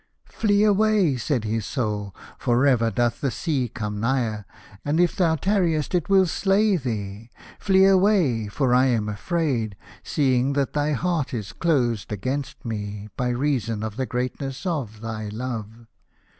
" Flee away," said his Soul, "for ever doth the sea come nigher, and if thou tarriest it will slay thee. Flee away, for I am afraid, seeing that thy heart is closed against me by reason of the greatness of thy love.